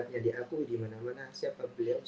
menjadi aku dimana mana siapa beliau